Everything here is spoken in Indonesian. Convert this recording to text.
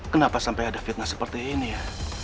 kenapa sampai ada fitnah seperti ini ya